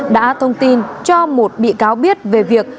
đã thông tin cho một bị cáo biết về việc đánh bạc